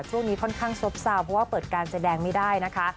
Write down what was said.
ช่วงนี้ค่อนข้างซบซาเพราะว่าเปิดการแสดงไม่ได้นะคะ